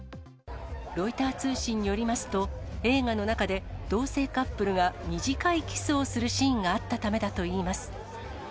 ロイター通信によりますと、映画の中で同性カップルが短いキスをするシーンがあったためだといいます。